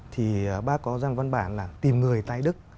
thì bác có ra một văn bản là tìm người tài đức